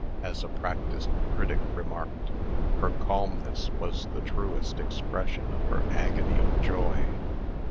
As a practised critic remarked, "her calmness was the truest expression of her agony of joy."